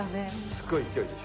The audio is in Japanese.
すごい勢いでしょ。